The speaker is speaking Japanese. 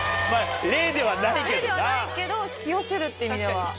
霊ではないけど引き寄せるって意味では。